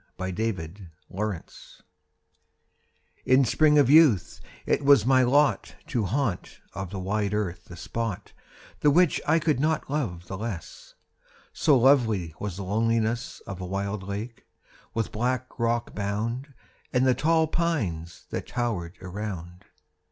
THE LAKE —— TO—— In spring of youth it was my lot To haunt of the wide earth a spot The which I could not love the less— So lovely was the loneliness Of a wild lake, with black rock bound, And the tall pines that tower'd around.